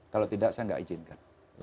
kalau tidak saya tidak izinkan